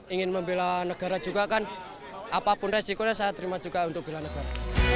ingin membela negara juga kan apapun resikonya saya terima juga untuk bela negara